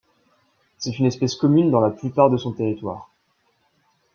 C'est une espèce commune dans la plupart de son territoire.